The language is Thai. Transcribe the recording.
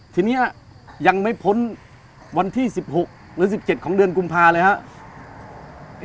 ทีนี้ยังไม่พ้นวันที่๑๖หรือ๑๗ของเดือนกุมภาเลยครับ